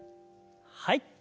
はい。